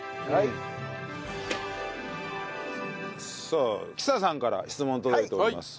さあ紀沙さんから質問届いております。